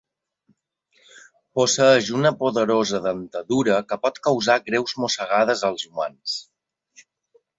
Posseeix una poderosa dentadura que pot causar greus mossegades als humans.